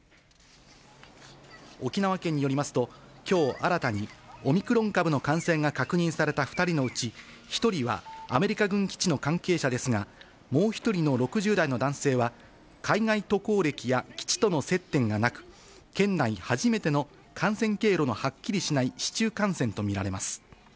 沖縄県によりますと、きょう新たに、オミクロン株の感染が確認された２人のうち１人はアメリカ軍基地の関係者ですが、もう１人の６０代の男性は、海外渡航歴や基地との接点がなく、県内初めての感染経路のはっきりしない市中感染と見られます。